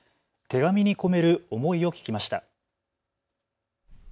手紙に込める思いを聞きました。